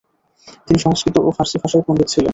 তিনি সংস্কৃত ও ফারসি ভাষায় পণ্ডিত ছিলেন।